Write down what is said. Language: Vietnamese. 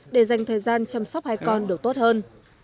để dành thời gian chăm sóc hai con được tốt hơn